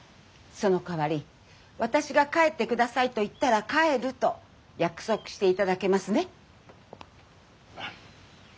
そのかわり私が「帰ってください」と言ったら帰ると約束していただけますね？